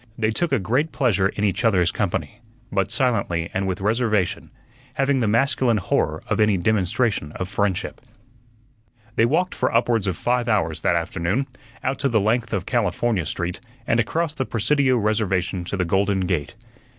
They took a great pleasure in each other's company, but silently and with reservation, having the masculine horror of any demonstration of friendship. They walked for upwards of five hours that afternoon, out the length of California Street, and across the Presidio Reservation to the Golden Gate.